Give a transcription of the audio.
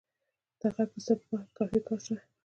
د غږ د ثبت په برخه کې کافی کار شوی